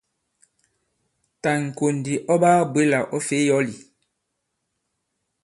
Tà ì-ŋ̀kò ndì ɔ baa-bwě là ɔ̌ fè i yɔ̌l ì?